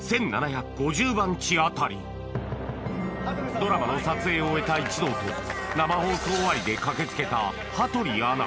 ドラマの撮影を終えた一同と生放送終わりで駆け付けた羽鳥アナ